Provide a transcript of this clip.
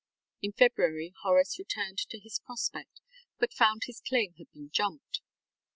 In February Horace returned to his prospect but found his claim had been jumped.